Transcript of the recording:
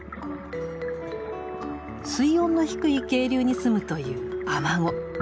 水温の低い渓流にすむというアマゴ。